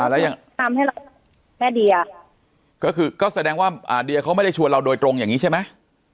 แล้วยังทำให้เราแม่เดียก็คือก็แสดงว่าเดียเขาไม่ได้ชวนเราโดยตรงอย่างนี้ใช่ไหม